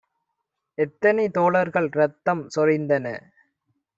எத்தனை தோழர்கள் ரத்தம் சொரிந்தன